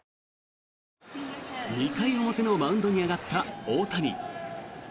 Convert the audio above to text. ２回表のマウンドに上がった大谷。